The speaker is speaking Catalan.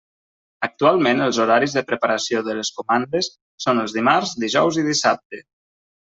Actualment els horaris de preparació de les comandes són els dimarts, dijous i dissabte.